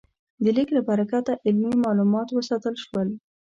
د لیک له برکته علمي مالومات وساتل شول.